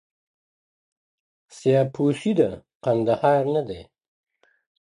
سیاه پوسي ده، قندهار نه دی،